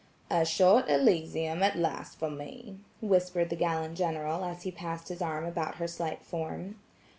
"A short Elysium at last for me," whispered the gallant General as he passed his arm about her slight form.